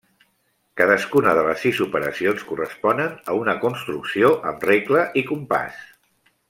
Cadascuna de les sis operacions corresponen a una construcció amb regle i compàs.